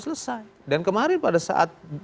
selesai dan kemarin pada saat